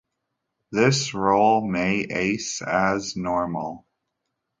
This roll may Ace as normal.